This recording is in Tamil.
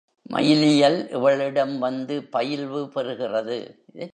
மயிலியல் இவளிடம் வந்து பயில்வு பெறுகிறது.